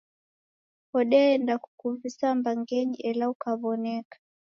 Odeenda kukuvisa mbangeni ela ukaw'oneka.